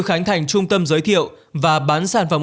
khánh thành trung tâm giới thiệu và bán sản phẩm